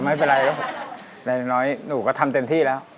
ไม่เป็นไรนะครับแน่นอนน้อยหนูก็ทำเต็มที่แล้ว